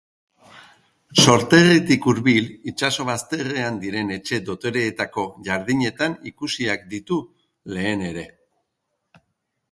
Sorterritik hurbil, itsaso bazterrean diren etxe dotoreetako jardinetan ikusiak ditu lehen ere.